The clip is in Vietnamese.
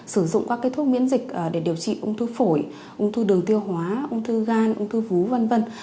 sử dụng các thuốc miễn dịch để điều trị ung thư phổi ung thư đường tiêu hóa ung thư gan ung thư vú v v